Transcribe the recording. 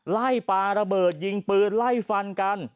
ปลาระเบิดยิงปืนไล่ฟันกัน